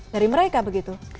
dari mereka begitu